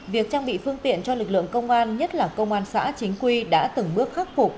việc trang bị phương tiện cho lực lượng công an nhất là công an xã chính quy đã từng bước khắc phục